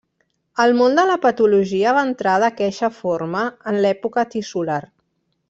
El món de la Patologia va entrar d'aqueixa forma en l'època tissular.